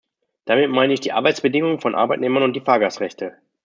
Damit meine ich die Arbeitsbedingungen von Arbeitnehmern und die Fahrgastrechte.